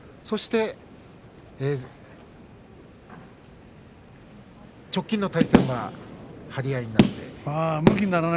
そして直近の対戦は張り合いになりました。